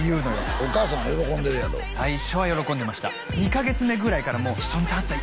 お母さんは喜んでるやろ最初は喜んでました２カ月目ぐらいからもうちょっとあんた